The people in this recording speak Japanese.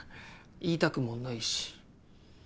言いたくもないし。